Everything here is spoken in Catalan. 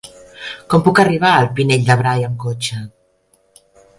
Com puc arribar al Pinell de Brai amb cotxe?